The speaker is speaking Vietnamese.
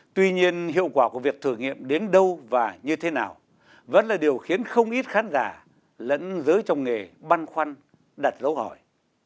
tuy nhiên hiệu quả của việc thử nghiệm đến đâu và như thế nào vẫn là điều khiến không ít khán giả lẫn giới trong nghề băn khoăn đặt lỗ hỏi